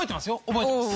覚えてます。